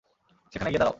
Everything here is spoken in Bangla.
সেখানে গিয়ে দাঁড়াও।